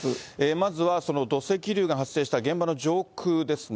まずはその土石流が発生した現場の上空ですね。